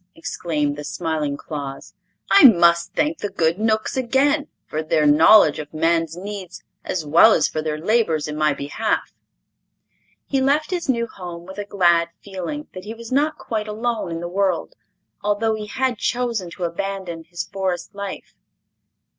exclaimed the smiling Claus. "I must thank the good Knooks again, for their knowledge of man's needs as well as for their labors in my behalf." He left his new home with a glad feeling that he was not quite alone in the world, although he had chosen to abandon his Forest life.